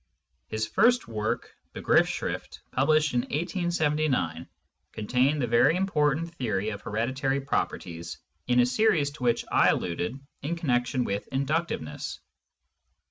His first work, Begriffsschrifl^ published in 1 879, contained the very important theory of hereditary properties in a series to which I alluded in connection with inductiveness.